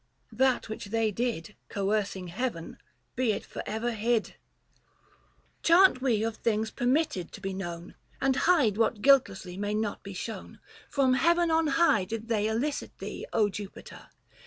— That which they did, Coercing heaven, be it for ever hid ! 345 Book III. THE FASTI. 79 Chant we of things permitted to be known, And hide what guiltlessly may not be shown. From heaven on high did they elicit thee, Jupiter